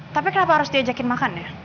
tapi kenapa harus diajakin makan ya